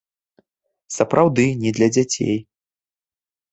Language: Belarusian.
Сапраўды, не для дзяцей!